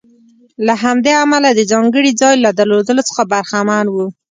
له همدې امله د ځانګړي ځای له درلودلو څخه برخمن و.